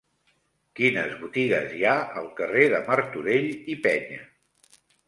Quines botigues hi ha al carrer de Martorell i Peña?